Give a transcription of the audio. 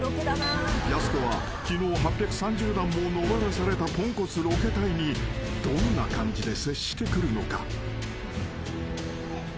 ［やす子は昨日８３０段も上らされたぽんこつロケ隊にどんな感じで接してくるのか？］